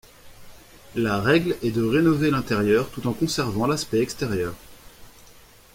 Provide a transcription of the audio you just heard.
La règle est de rénover l'intérieur tout en conservant l'aspect extérieur.